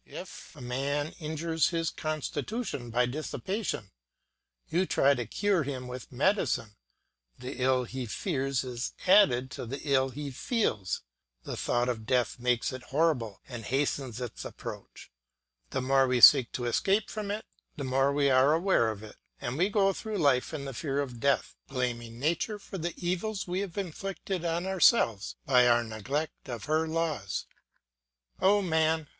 If a man injures his constitution by dissipation, you try to cure him with medicine; the ill he fears is added to the ill he feels; the thought of death makes it horrible and hastens its approach; the more we seek to escape from it, the more we are aware of it; and we go through life in the fear of death, blaming nature for the evils we have inflicted on ourselves by our neglect of her laws. O Man!